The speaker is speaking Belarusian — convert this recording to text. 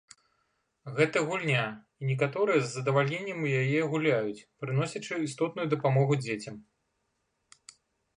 Гэта гульня, і некаторыя з задавальненнем у яе гуляюць, прыносячы істотную дапамогу дзецям.